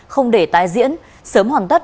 không để tái diễn sớm hoàn tất